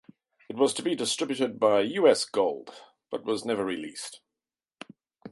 It was to be distributed by U. S. Gold, but was never released.